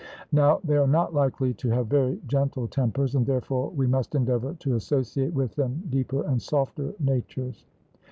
Now they are not likely to have very gentle tempers; and, therefore, we must endeavour to associate with them deeper and softer natures.